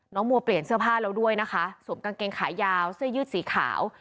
มัวเปลี่ยนเสื้อผ้าแล้วด้วยนะคะสวมกางเกงขายาวเสื้อยืดสีขาว